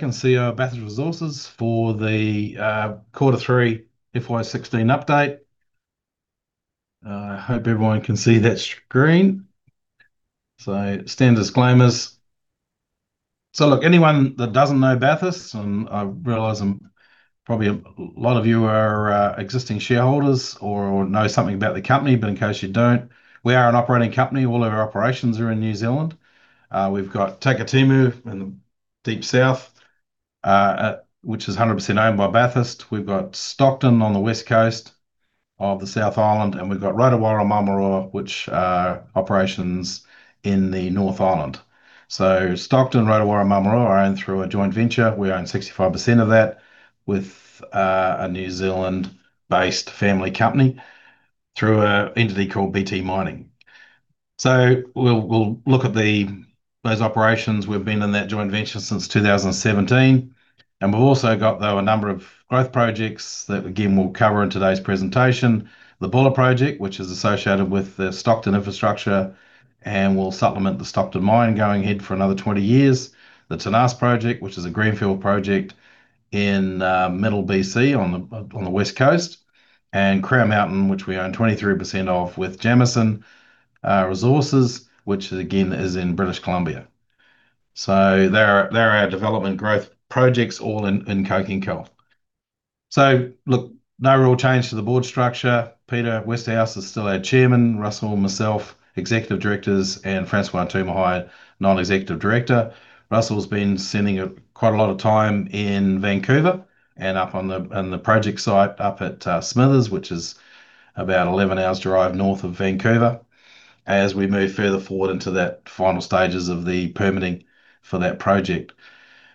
I can see our Bathurst Resources for the quarter 3 FY 2016 update. I hope everyone can see that screen. Standard disclaimers. Look, anyone that doesn't know Bathurst, and I realize, probably a lot of you are existing shareholders or know something about the company. In case you don't, we are an operating company. All of our operations are in New Zealand. We've got Takitimu in the deep south, which is 100% owned by Bathurst. We've got Stockton on the West Coast of the South Island. We've got Rotowaro and Maramarua, which operations in the North Island. Stockton, Rotowaro and Maramarua are owned through a joint venture. We own 65% of that with a New Zealand-based family company through a entity called BT Mining. We'll look at those operations. We've been in that joint venture since 2017. We've also got, though, a number of growth projects that, again, we'll cover in today's presentation. The Buller Project, which is associated with the Stockton infrastructure and will supplement the Stockton mine going ahead for another 20 years. The Tenas Project, which is a greenfield project in middle B.C. on the west coast. Crown Mountain, which we own 23% of with Jameson Resources, which again, is in British Columbia. They're our development growth projects all in coking coal. Look, no real change to the board structure. Peter Westerhuis is still our Chairman. Russell and myself, Executive Directors. Francois Tumahai, Non-executive director. Russell's been spending a quite a lot of time in Vancouver and up on the, on the project site up at Smithers, which is about 11 hours drive north of Vancouver as we move further forward into that final stages of the permitting for that project.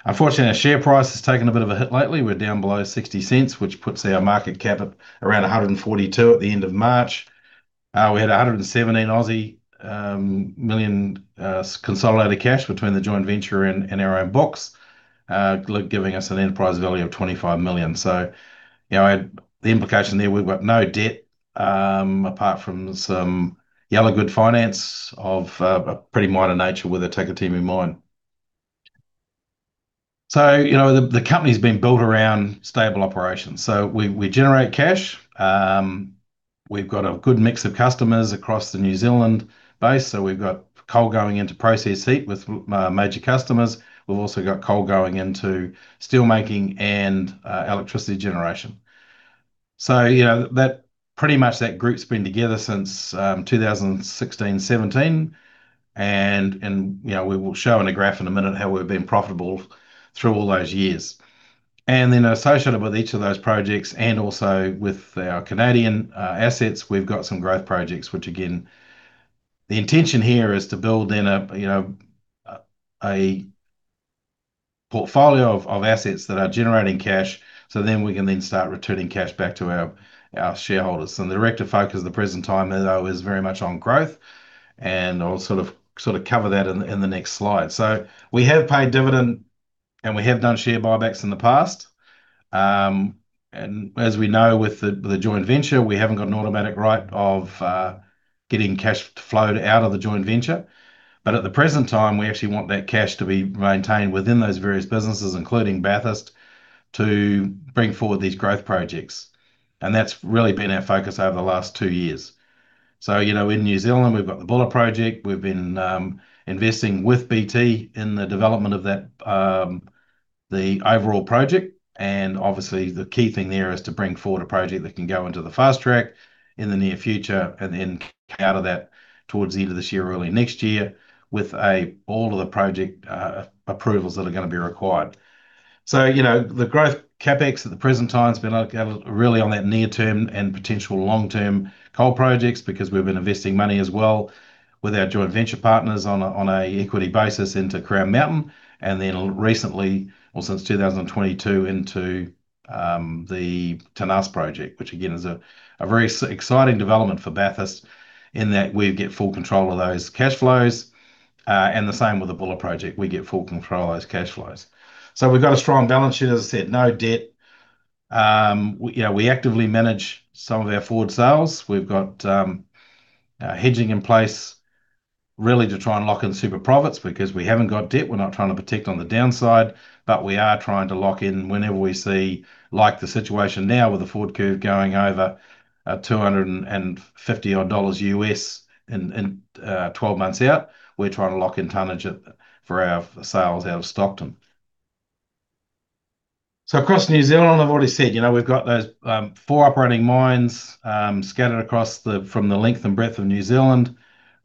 Unfortunately, our share price has taken a bit of a hit lately. We're down below 0.60, which puts our market cap at around 142 million at the end of March. We had 117 million consolidated cash between the joint venture and our own books, giving us an enterprise value of 25 million. You know, the implication there, we've got no debt, apart from some yellow goods finance of a pretty minor nature with the Takitimu mine. You know, the company's been built around stable operations. We generate cash. We've got a good mix of customers across the New Zealand base. We've got coal going into process heat with major customers. We've also got coal going into steelmaking and electricity generation. You know, that, pretty much that group's been together since 2016, 2017, and you know, we will show in a graph in a minute how we've been profitable through all those years. Associated with each of those projects and also with our Canadian assets, we've got some growth projects which again, the intention here is to build in a, you know, a portfolio of assets that are generating cash, then we can then start returning cash back to our shareholders. The director focus at the present time though is very much on growth, and I'll sort of cover that in the next slide. We have paid dividend, and we have done share buybacks in the past. And as we know with the joint venture, we haven't got an automatic right of getting cash flowed out of the joint venture. At the present time, we actually want that cash to be maintained within those various businesses, including Bathurst, to bring forward these growth projects, and that's really been our focus over the last two years. You know, in New Zealand, we've got the Buller Project. We've been investing with BT in the development of that, the overall project, and obviously the key thing there is to bring forward a project that can go into the Fast-track in the near future and then out of that towards the end of this year, early next year, with a, all of the project, approvals that are gonna be required. You know, the growth CapEx at the present time has been really on that near term and potential long-term coal projects because we've been investing money as well with our joint venture partners on a equity basis into Crown Mountain. Then recently, well, since 2022, into the Tenas Project, which again is a very exciting development for Bathurst in that we get full control of those cash flows. The same with the Buller Project. We get full control of those cash flows. We've got a strong balance sheet. As I said, no debt. You know, we actively manage some of our forward sales. We've got hedging in place really to try and lock in super profits because we haven't got debt. We're not trying to protect on the downside, but we are trying to lock in whenever we see, like the situation now with the forward curve going over $250 odd U.S. dollars in 12 months out. We're trying to lock in tonnage at, for our sales out of Stockton. Across New Zealand, I've already said, you know, we've got those four operating mines scattered across the, from the length and breadth of New Zealand.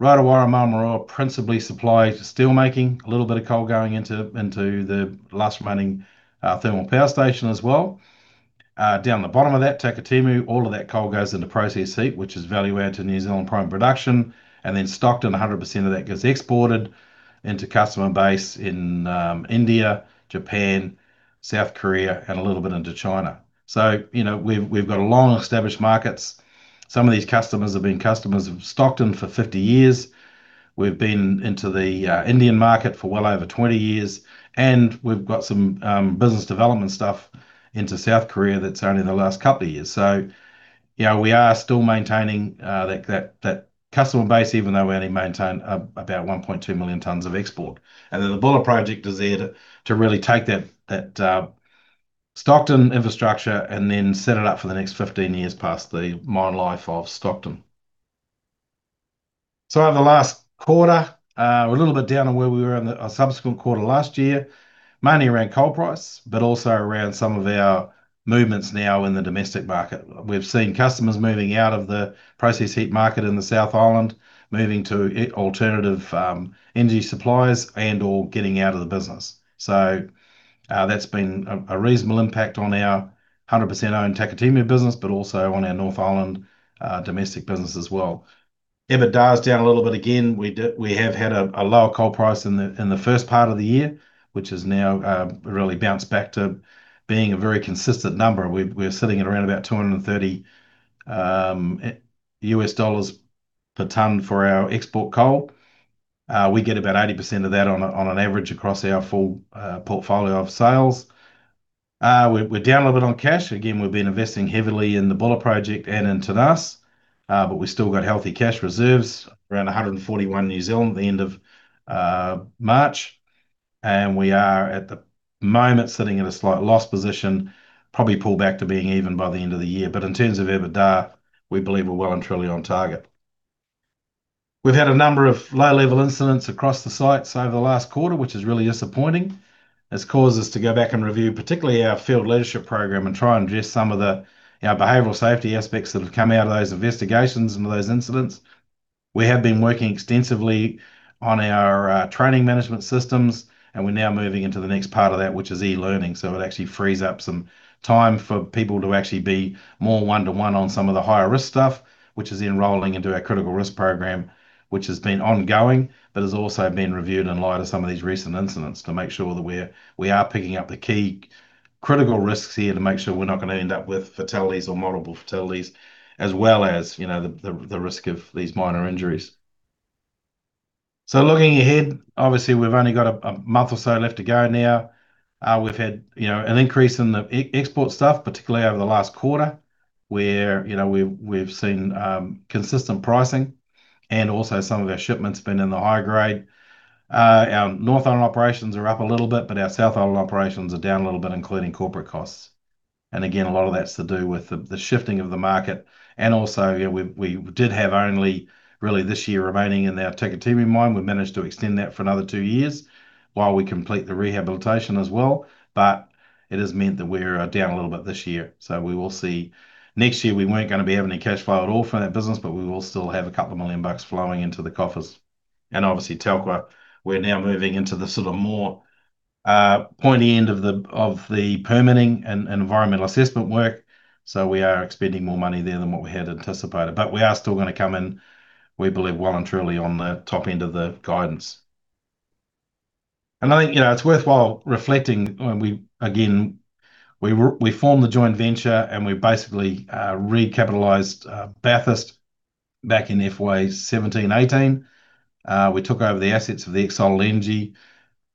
Rotowaro and Maramarua principally supplies steelmaking, a little bit of coal going into the last remaining thermal power station as well. Down the bottom of that, Takitimu, all of that coal goes into process heat, which is value-add to New Zealand prime production. Stockton, 100% of that gets exported into customer base in India, Japan, South Korea, and a little bit into China. You know, we've got long-established markets. Some of these customers have been customers of Stockton for 50 years. We've been into the Indian market for well over 20 years, and we've got some business development into South Korea that's only in the last couple of years. You know, we are still maintaining that customer base even though we only maintain about 1.2 million tons of export. The Buller project is there to really take that Stockton infrastructure, set it up for the next 15 years past the mine life of Stockton. Over the last quarter, we're a little bit down on where we were in our subsequent quarter last year, mainly around coal price, but also around some of our movements now in the domestic market. We've seen customers moving out of the process heat market in the South Island, moving to alternative energy suppliers and/or getting out of the business. That's been a reasonable impact on our 100% owned Takitimu business, but also on our North Island domestic business as well. EBITDA's down a little bit again. We have had a lower coal price in the first part of the year, which has now really bounced back to being a very consistent number. We're sitting at around about $230 U.S. dollars per ton for our export coal. We get about 80% of that on an average across our full portfolio of sales. We're down a little bit on cash. Again, we've been investing heavily in the Buller project and in Tenas. But we've still got healthy cash reserves, around 141 at the end of March. We are at the moment sitting at a slight loss position, probably pull back to being even by the end of the year. In terms of EBITDA, we believe we're well and truly on target. We've had a number of low-level incidents across the sites over the last quarter, which is really disappointing. It's caused us to go back and review particularly our field leadership program and try and address some of our behavioral safety aspects that have come out of those investigations into those incidents. We have been working extensively on our training management systems, and we're now moving into the next part of that, which is e-learning, so it actually frees up some time for people to actually be more one-to-one on some of the higher risk stuff, which is then rolling into our critical risk program, which has been ongoing, but has also been reviewed in light of some of these recent incidents to make sure that we are picking up the key critical risks here to make sure we're not gonna end up with fatalities or multiple fatalities, as well as the risk of these minor injuries. Looking ahead, obviously we've only got a month or so left to go now. We've had, you know, an increase in the export stuff, particularly over the last quarter, where, you know, we've seen consistent pricing, and also some of our shipments been in the higher grade. Our North Island operations are up a little bit, our South Island operations are down a little bit, including corporate costs. Again, a lot of that's to do with the shifting of the market, and also, you know, we did have only really this year remaining in our Takitimu mine. We've managed to extend that for another two years while we complete the rehabilitation as well. It has meant that we're down a little bit this year, we will see. Next year we weren't gonna be having any cashflow at all from that business, but we will still have a couple million NZD flowing into the coffers. Obviously, [Talga], we're now moving into the sort of more pointy end of the permitting and environmental assessment work, we are expending more money there than what we had anticipated. We are still gonna come in, we believe, well and truly on the top end of the guidance. I think, you know, it's worthwhile reflecting when we, again, we formed the joint venture and we basically recapitalized Bathurst back in FY 2017, FY 2018. We took over the assets of the Solid Energy.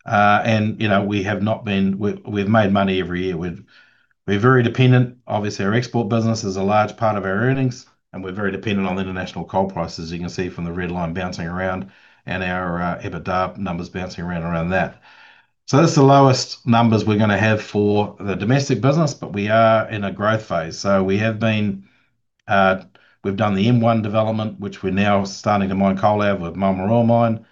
You know, we have not been, we've made money every year. We're very dependent. Our export business is a large part of our earnings, we're very dependent on international coal prices, as you can see from the red line bouncing around, and our EBITDA numbers bouncing around that. This is the lowest numbers we're going to have for the domestic business, we are in a growth phase. We have been, we've done the M1 development, which we're now starting to mine coal out of with Maramarua mine.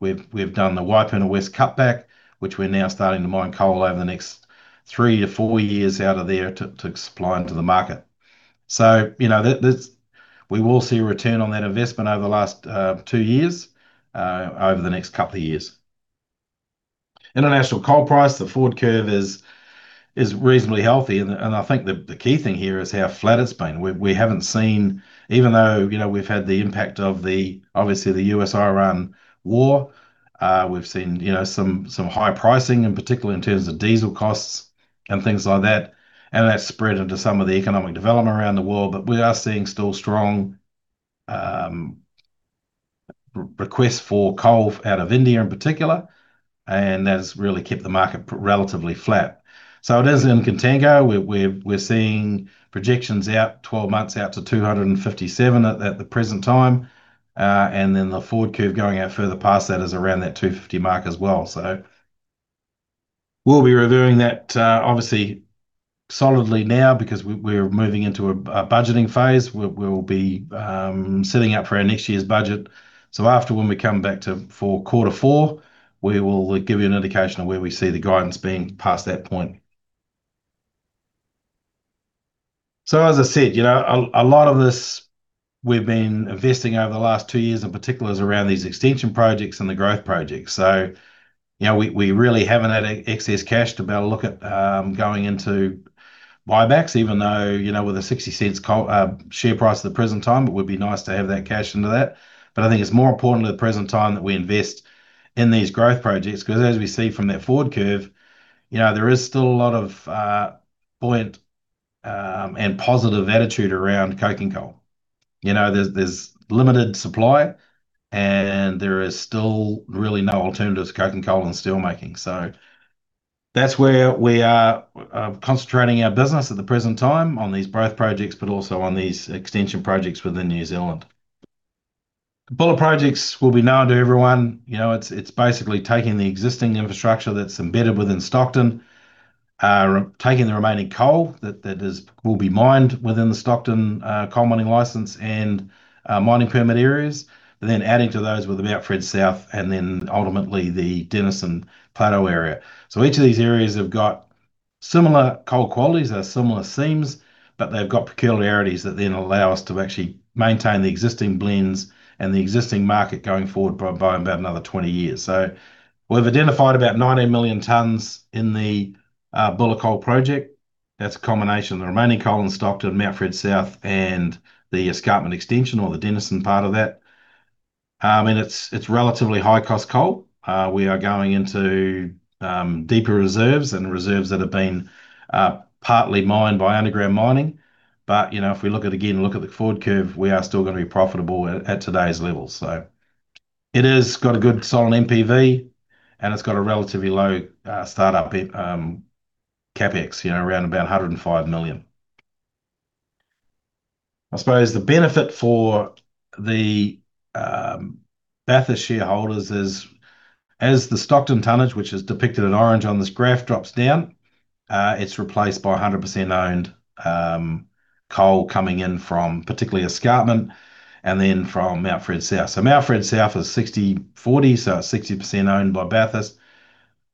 We've done the Waipuna West cutback, which we're now starting to mine coal over the next three to four years out of there to supply into the market. You know, that's, we will see a return on that investment over the last two years, over the next couple of years. International coal price, the forward curve is reasonably healthy and I think the key thing here is how flat it's been. We haven't seen, even though we've had the impact of the obviously the US-Iran war, we've seen some high pricing, in particular in terms of diesel costs and things like that, and that's spread into some of the economic development around the world. We are seeing still strong requests for coal out of India in particular, and that has really kept the market relatively flat. It is in contango. We're seeing projections out 12 months out to 257 at the present time. The forward curve going out further past that is around that 250 mark as well. We'll be reviewing that obviously solidly now because we're moving into a budgeting phase. We'll be setting up for our next year's budget. After when we come back to, for quarter four, we will give you an indication of where we see the guidance being past that point. As I said, you know, a lot of this we've been investing over the last two years in particular is around these extension projects and the growth projects. You know, we really haven't had excess cash to be able to look at going into buybacks even though, you know, with a 0.60 share price at the present time, it would be nice to have that cash into that. I think it's more important at the present time that we invest in these growth projects 'cause as we see from that forward curve, you know, there is still a lot of buoyant and positive attitude around coking coal. There's limited supply, and there is still really no alternative to coking coal and steelmaking. That's where we are concentrating our business at the present time, on these both projects, but also on these extension projects within New Zealand. The Buller projects will be known to everyone. It's basically taking the existing infrastructure that's embedded within Stockton. Taking the remaining coal that will be mined within the Stockton coal mining license and mining permit areas. Adding to those with the Mount Frederick South and then ultimately the Denison Plateau area. Each of these areas have got similar coal qualities. They're similar seams, but they've got peculiarities that then allow us to actually maintain the existing blends and the existing market going forward by about another 20 years. We've identified about 90 million tons in the Buller coal project. That's a combination of the remaining coal in Stockton, Mount Frederick South and the Escarpment extension or the Denison part of that. And it's relatively high-cost coal. We are going into deeper reserves and reserves that have been partly mined by underground mining. You know, if we look at, again, look at the forward curve, we are still gonna be profitable at today's levels. It has got a good solid NPV, and it's got a relatively low start-up CapEx, you know, around about 105 million. I suppose the benefit for the Bathurst shareholders is, as the Stockton tonnage, which is depicted in orange on this graph, drops down, it's replaced by 100% owned coal coming in from particularly Escarpment and then from Mount Frederick South. Mount Frederick South is 60/40, so it's 60% owned by Bathurst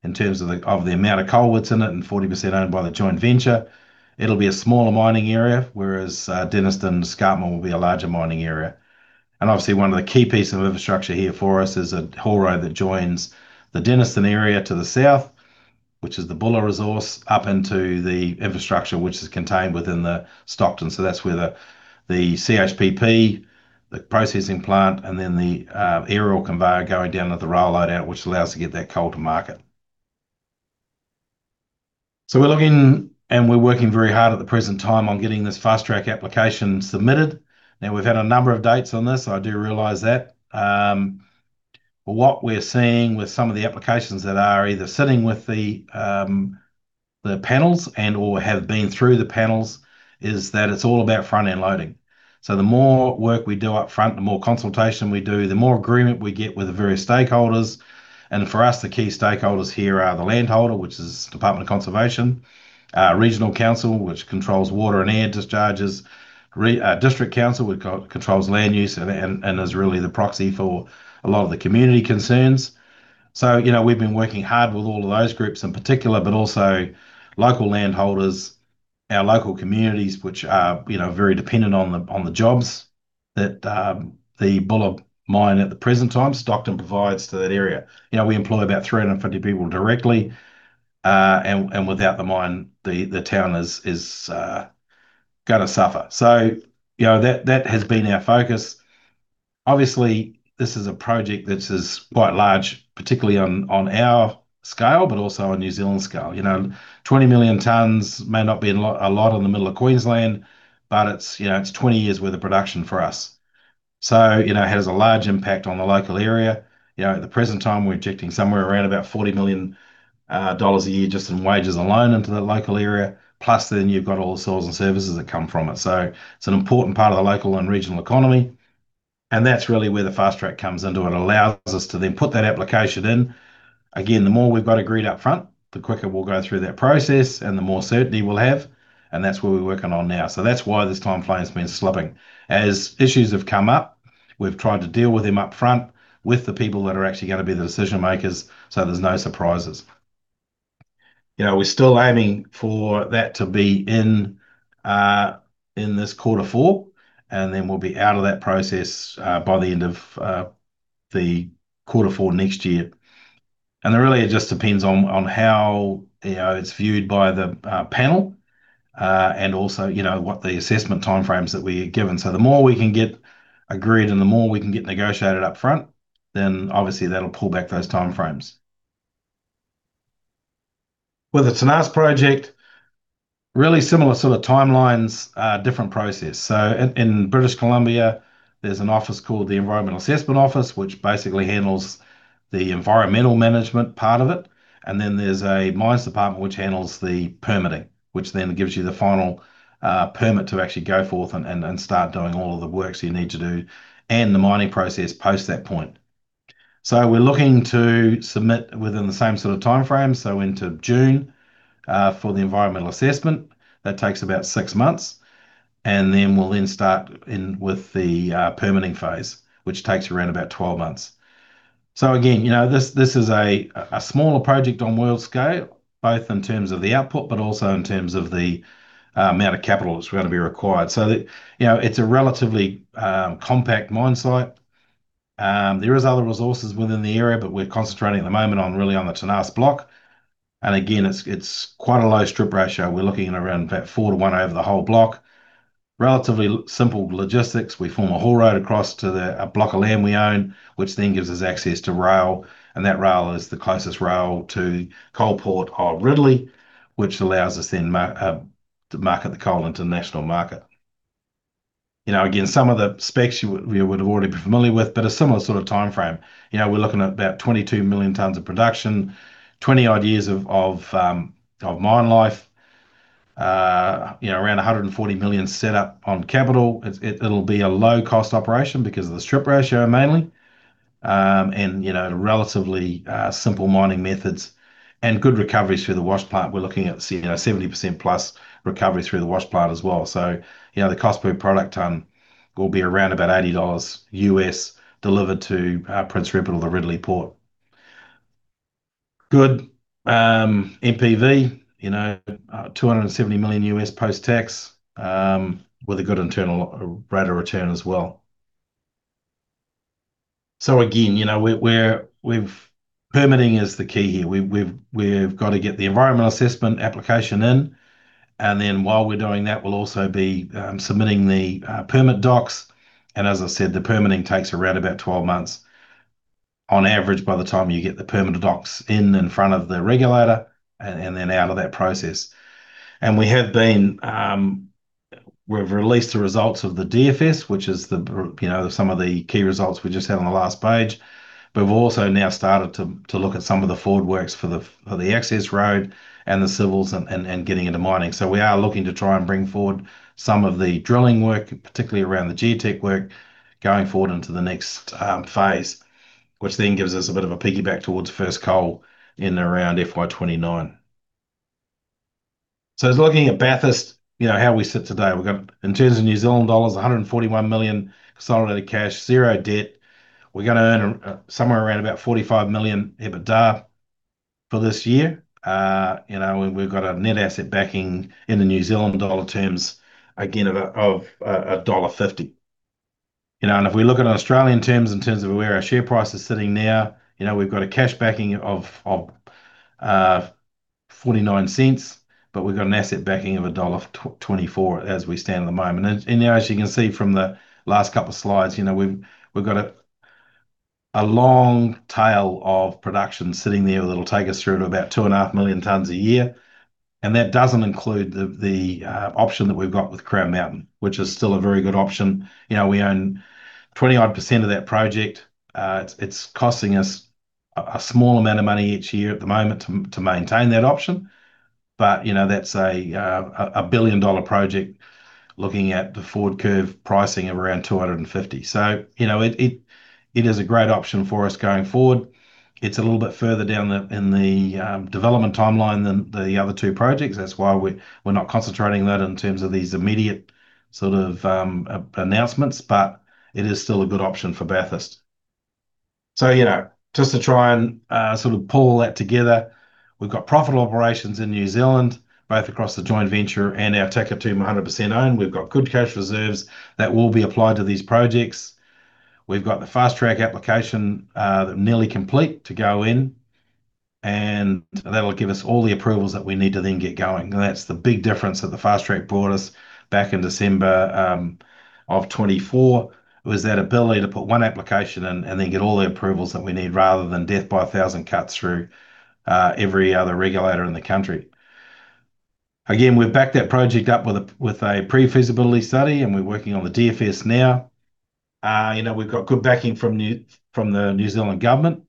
in terms of the amount of coal that's in it and 40% owned by the joint venture. It'll be a smaller mining area, whereas Denison and Escarpment will be a larger mining area. Obviously one of the key pieces of infrastructure here for us is a haul road that joins the Denison area to the south, which is the Buller resource, up into the infrastructure which is contained within the Stockton. That's where the CHPP, the processing plant and then the aerial conveyor going down to the rail loadout, which allows us to get that coal to market. We're looking and we're working very hard at the present time on getting this Fast-track application submitted. We've had a number of dates on this. I do realize that. What we're seeing with some of the applications that are either sitting with the panels and/or have been through the panels is that it's all about front-end loading. The more work we do up front, the more consultation we do, the more agreement we get with the various stakeholders. For us, the key stakeholders here are the land holder, which is Department of Conservation, Regional Council, which controls water and air discharges, District Council, which controls land use and is really the proxy for a lot of the community concerns. You know, we've been working hard with all of those groups in particular, but also local land holders, our local communities, which are, you know, very dependent on the jobs that the Buller mine at the present time, Stockton provides to that area. You know, we employ about 350 people directly. And without the mine, the town is gonna suffer. You know, that has been our focus. Obviously, this is a project that is quite large, particularly on our scale, but also on New Zealand scale. You know, 20 million tons may not be a lot in the middle of Queensland, it's, you know, 20 years' worth of production for us. You know, it has a large impact on the local area. You know, at the present time, we're injecting somewhere around about 40 million dollars a year just in wages alone into the local area. Plus then you've got all the sales and services that come from it. It's an important part of the local and regional economy, and that's really where the Fast-track comes into. It allows us to then put that application in. Again, the more we've got agreed up front, the quicker we'll go through that process and the more certainty we'll have. That's what we're working on now. That's why this timeline's been slipping. As issues have come up, we've tried to deal with them up front with the people that are actually gonna be the decision-makers, so there's no surprises. You know, we're still aiming for that to be in this quarter four, and then we'll be out of that process by the end of the quarter four next year. Really it just depends on how, you know, it's viewed by the panel. Also, you know, what the assessment timeframes that we are given. The more we can get agreed and the more we can get negotiated up front, obviously that'll pull back those timeframes. With the Tenas Project, really similar sort of timelines, different process. In British Columbia, there's an office called the Environmental Assessment Office, which basically handles the environmental management part of it. There's a mines department which handles the permitting, which then gives you the final permit to actually go forth and start doing all of the works you need to do and the mining process post that point. We're looking to submit within the same sort of timeframe, into June, for the environmental assessment. That takes about six months. We'll then start in with the permitting phase, which takes around about 12 months. Again, you know, this is a smaller project on world scale, both in terms of the output, but also in terms of the amount of capital that's going to be required. You know, it's a relatively compact mine site. There is other resources within the area, but we're concentrating at the moment on really on the Tenas block. Again, it's quite a low strip ratio. We're looking at around about 4 to 1 over the whole block. Relatively simple logistics. We form a haul road across to the, a block of land we own, which then gives us access to rail, and that rail is the closest rail to coal port of Ridley, which allows us then to market the coal into the national market. You know, again, some of the specs you would, you would already be familiar with, but a similar sort of timeframe. You know, we're looking at about 22 million tons of production. 20-odd years of mine life. You know, around 140 million set up on capital. It'll be a low-cost operation because of the strip ratio mainly. Relatively simple mining methods and good recoveries through the wash plant. We're looking at 70% plus recovery through the wash plant as well. The cost per product ton will be around $80 US delivered to Prince Rupert or the Ridley Port. Good NPV. $270 million US post-tax with a good internal rate of return as well. Permitting is the key here. We've got to get the environmental assessment application in, and then while we're doing that, we'll also be submitting the permit docs. As I said, the permitting takes around 12 months on average by the time you get the permit docs in front of the regulator and then out of that process. We've released the results of the DFS, which is, you know, some of the key results we just had on the last page. We've also now started to look at some of the forward works for the access road and the civils and getting into mining. We are looking to try and bring forward some of the drilling work, particularly around the geotech work, going forward into the next phase, which then gives us a bit of a piggyback towards first coal in around FY 2029. Just looking at Bathurst, you know, how we sit today. We've got, in terms of New Zealand dollars, 141 million consolidated cash, zero debt. We're gonna earn, somewhere around about 45 million EBITDA for this year. You know, we've got a net asset backing in the New Zealand dollar terms again of dollar 1.50. You know, if we look at it in Australian terms in terms of where our share price is sitting now, you know, we've got a cash backing of 0.49, we've got an asset backing of dollar 1.24 as we stand at the moment. Now as you can see from the last couple of slides, you know, we've got a long tail of production sitting there that'll take us through to about 2.5 million tons a year, and that doesn't include the option that we've got with Crown Mountain, which is still a very good option. You know, we own -20% of that project. It's costing us a small amount of money each year at the moment to maintain that option. You know, that's a billion-dollar project looking at the forward curve pricing of around 250. You know, it is a great option for us going forward. It's a little bit further down the development timeline than the other two projects. That's why we're not concentrating that in terms of these immediate sort of announcements, but it is still a good option for Bathurst. You know, just to try and sort of pull that together. We've got profitable operations in New Zealand, both across the joint venture and our Maramarua, 100% owned. We've got good cash reserves that will be applied to these projects. We've got the fast-track application nearly complete to go in, and that'll give us all the approvals that we need to then get going. That's the big difference that the fast-track brought us back in December 2024, was that ability to put 1 application in and then get all the approvals that we need, rather than death by a thousand cuts through every other regulator in the country. We've backed that project up with a pre-feasibility study, and we're working on the DFS now. You know, we've got good backing from the New Zealand government,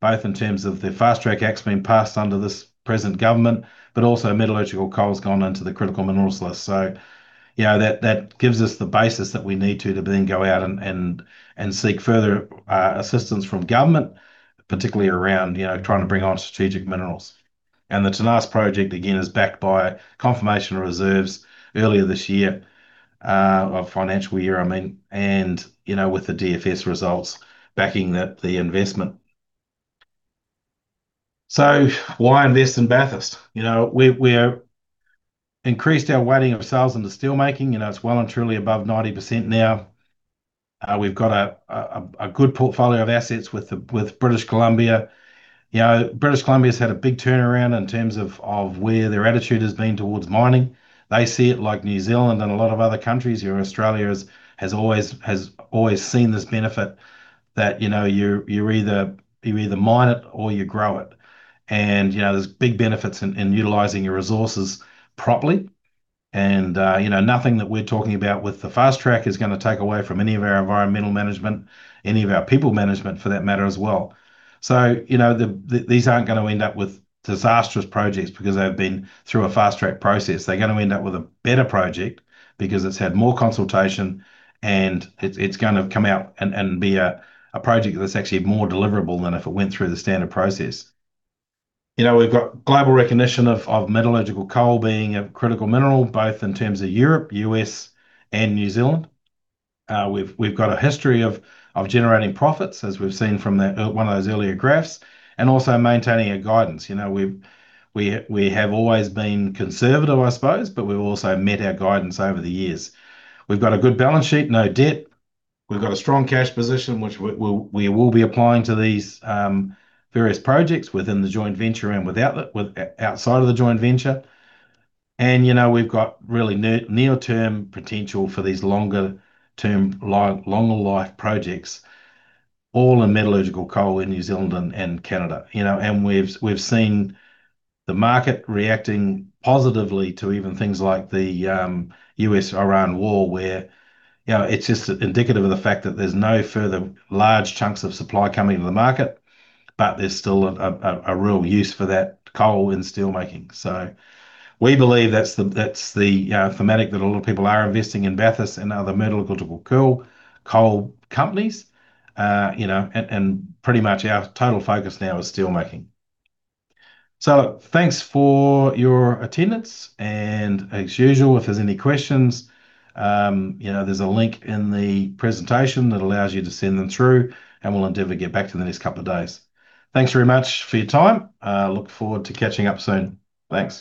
both in terms of the Fast-track Act's been passed under this present government, but also metallurgical coal's gone into the critical minerals list. You know, that gives us the basis that we need to then go out and seek further assistance from government, particularly around, you know, trying to bring on strategic minerals. The Tenas Project again is backed by confirmation reserves earlier this year, or financial year, I mean, you know, with the DFS results backing that, the investment. Why invest in Bathurst? You know, we've increased our weighting of sales into steel making. You know, it's well and truly above 90% now. We've got a good portfolio of assets with British Columbia. You know, British Columbia's had a big turnaround in terms of where their attitude has been towards mining. They see it like New Zealand and a lot of other countries here. Australia has always seen this benefit that, you know, you either mine it or you grow it. You know, there's big benefits in utilizing your resources properly. You know, nothing that we're talking about with the Fast-track is gonna take away from any of our environmental management, any of our people management for that matter as well. You know, these aren't gonna end up with disastrous projects because they've been through a fast-track process. They're gonna end up with a better project because it's had more consultation, and it's gonna come out and be a project that's actually more deliverable than if it went through the standard process. You know, we've got global recognition of metallurgical coal being a critical mineral, both in terms of Europe, U.S., and New Zealand. We've got a history of generating profits, as we've seen from the one of those earlier graphs, and also maintaining our guidance. You know, we have always been conservative, I suppose, but we've also met our guidance over the years. We've got a good balance sheet, no debt. We've got a strong cash position, which we will be applying to these various projects within the joint venture and outside of the joint venture. You know, we've got really near-term potential for these longer term longer life projects, all in metallurgical coal in New Zealand and Canada, you know. We've seen the market reacting positively to even things like the U.S. tariff war where, you know, it's just indicative of the fact that there's no further large chunks of supply coming to the market, but there's still a real use for that coal in steel making. We believe that's the thematic that a lot of people are investing in Bathurst and other metallurgical coal companies. You know, and pretty much our total focus now is steel making. Thanks for your attendance, and as usual, if there's any questions, you know, there's a link in the presentation that allows you to send them through, and we'll endeavor get back to them in the next couple of days. Thanks very much for your time. Look forward to catching up soon. Thanks.